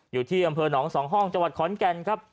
อยู่ที่อำเภอหนอง๒ห้องจังหวัดขอนแก่นครับ